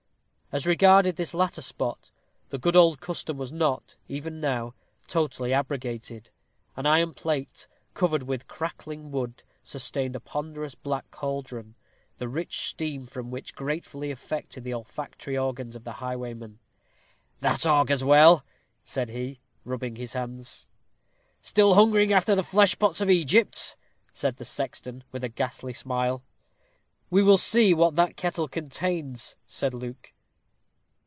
As regarded this latter spot, the good old custom was not, even now, totally abrogated. An iron plate, covered with crackling wood, sustained a ponderous black caldron, the rich steam from which gratefully affected the olfactory organs of the highwayman. "That augurs well," said he, rubbing his hands. "Still hungering after the fleshpots of Egypt," said the sexton, with a ghastly smile. "We will see what that kettle contains," said Luke.